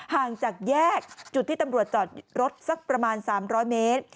ห่างจากแยกจุดที่ตำรวจจอดรถสักประมาณ๓๐๐เมตร